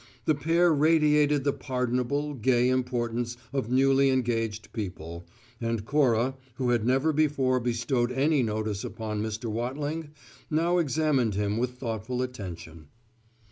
The pair radiated the pardonable, gay importance of newly engaged people, and Cora, who had never before bestowed any notice upon Mr. Wattling, now examined him with thoughtful attention.